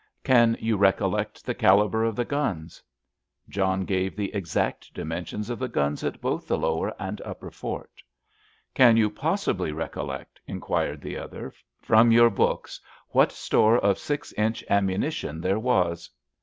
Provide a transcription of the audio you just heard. "Can you recollect the calibre of the guns?" John gave the exact dimensions of the guns at both the lower and upper fort. "Can you possibly recollect," inquired the other, "from your books, what store of six inch ammunition there was?"